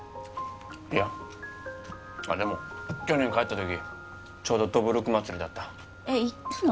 いやあっでも去年帰った時ちょうどどぶろく祭りだったえっ行ったの？